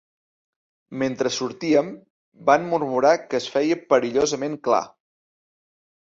Mentre sortíem, van murmurar que es feia perillosament clar.